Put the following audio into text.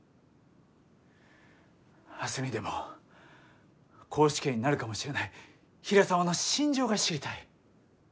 明日にでも絞首刑になるかもしれない平沢の心情が知りたい。